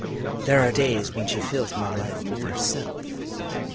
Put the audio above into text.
There are days when she fills my life with herself.